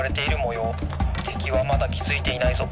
てきはまだきづいていないぞ。